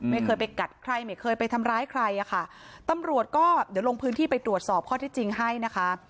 ไม่เคยไปกัดใครไม่เคยไปทำร้ายใครอ่ะค่ะตำรวจก็เดี๋ยวลงพื้นที่ไปตรวจสอบข้อที่จริงให้นะคะ